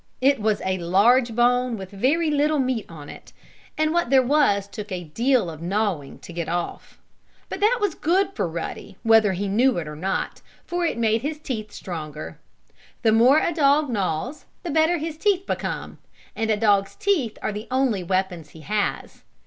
It was a large bone, with very little meat on it, and what there was took a deal of gnawing to get off. But that was good for Ruddy, whether he knew it or not, for it made his teeth stronger. The more a dog gnaws the better his teeth become, and a dog's teeth are the only weapons he has.